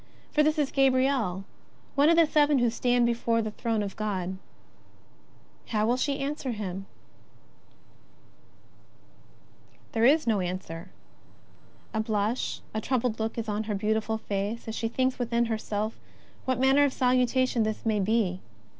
For this is Gabriel, one of the seven who stand before God. How will she answer him ? There is no answer. A blush, a troubled look is on . her beautiful face as she thinks within herself what manner of salutation this may be.